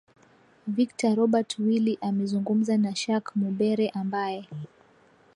victor robert willi amezungumza na shaq mumbere ambae